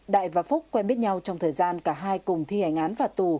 đại và phúc quen biết nhau trong thời gian cả hai cùng thi hành án phạt tù